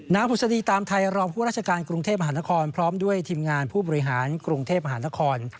บุษฎีตามไทยรองผู้ราชการกรุงเทพมหานครพร้อมด้วยทีมงานผู้บริหารกรุงเทพมหานคร